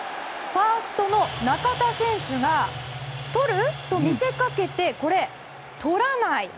ファーストの中田選手がとると見せかけてこれ、とらない。